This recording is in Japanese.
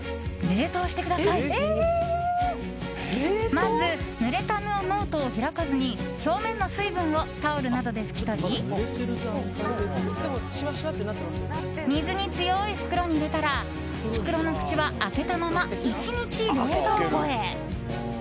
まず、ぬれたノートは開かずに表面の水分をタオルなどで拭き取り水に強い袋に入れたら袋の口は開けたまま１日、冷凍庫へ。